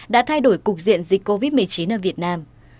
đã thay đổi cục diện dịch covid một mươi chín ở việt nam